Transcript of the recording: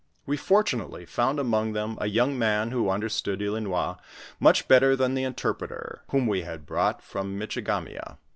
We fortunately found among them a young man who understood Ilinois much better than the interpreter whom we had brought from Mitchigamea.